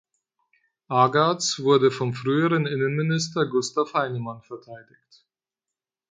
Agartz wurde vom früheren Innenminister Gustav Heinemann verteidigt.